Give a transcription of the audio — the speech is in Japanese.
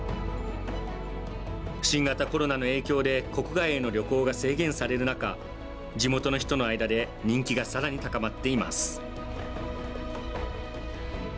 新型コロナの影響で国外への旅行が制限されるなか地元の人の間で人気がさらに高まっています。